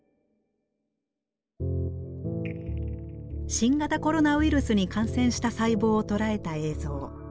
新型コロナウイルスに感染した細胞を捉えた映像。